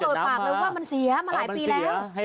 คุณลุงพูดไง